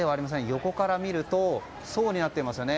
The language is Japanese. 横から見ると層になっていますよね。